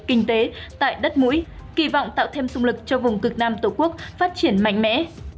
kinh tế tại đất mũi kỳ vọng tạo thêm sung lực cho vùng cực nam tổ quốc phát triển mạnh mẽ